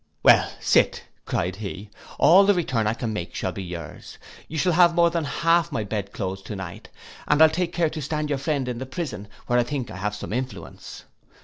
'Well, sir,' cried he, 'all the return I can make shall be yours. You shall have more than half my bed cloaths to night, and I'll take care to stand your friend in the prison, where I think I have some influence.